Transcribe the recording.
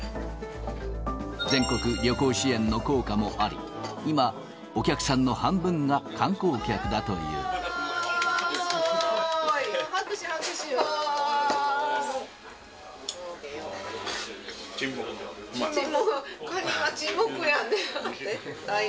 全国旅行支援の効果もあり、今、お客さんの半分が観光客だとすごい！